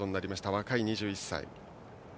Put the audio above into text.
若い２１歳。